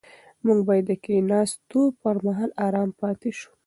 موږ باید د کښېناستو پر مهال ارام پاتې شو.